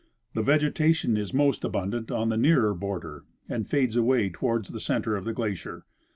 The vegetation is most abundant on the nearer border and fades away toward the center of the glacier.